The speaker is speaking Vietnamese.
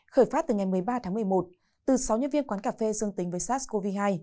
khởi phát từ ngày một mươi ba tháng một mươi một từ sáu nhân viên quán cà phê dương tính với sars cov hai